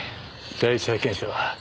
第一発見者は？